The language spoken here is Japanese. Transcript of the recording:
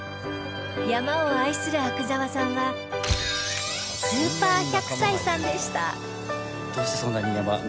山を愛する阿久澤さんはスーパー１００歳さんでした